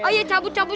iya cabut cabut